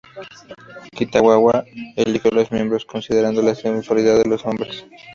Kitagawa eligió a los miembros considerando la "sensualidad de los hombres".